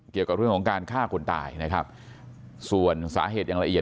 เกี่ยวกับเรื่องของการฆ่าคนตายนะครับส่วนสาเหตุอย่างละเอียด